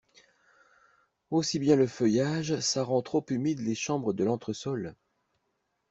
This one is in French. Aussi bien le feuillage, ça rend trop humides les chambres de l'entresol!